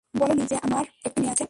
বলোনি যে আমার একটি মেয়ে আছে।